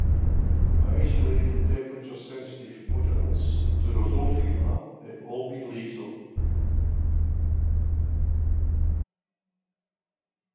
Isolated temperature-sensitive mutants in "Drosophila" have all been lethal.